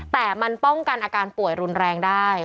แต่มันป้องกันอาการป่วยรุนแรงได้